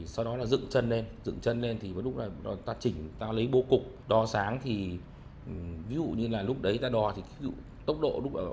sau đó là dựng chân lên dựng chân lên thì có lúc là ta chỉnh ta lấy bô cục đo sáng thì ví dụ như là lúc đấy ta đo thì tốc độ